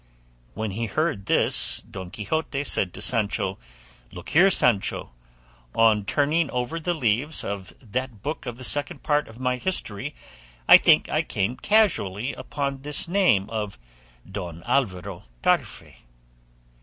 When he heard this Don Quixote said to Sancho, "Look here, Sancho; on turning over the leaves of that book of the Second Part of my history I think I came casually upon this name of Don Alvaro Tarfe."